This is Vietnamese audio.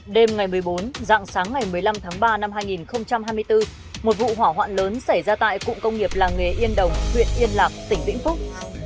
đêm ngày một mươi bốn dạng sáng ngày một mươi năm tháng ba năm hai nghìn hai mươi bốn một vụ hỏa hoạn lớn xảy ra tại cụng công nghiệp làng nghề yên đồng huyện yên lạc tỉnh vĩnh phúc